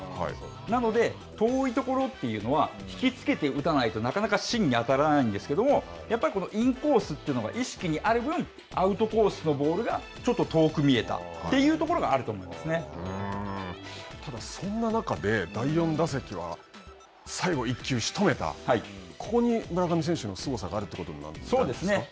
なので、遠いところというのは、引き付けて打たないと、なかなか芯に当たらないんですけど、やっぱりこのインコースというのが意識にある分、アウトコースのボールがちょっと遠く見えたというとただ、そんな中で、第４打席は、最後１球しとめた、ここに村上選手のすごさがあるということなんそうですね。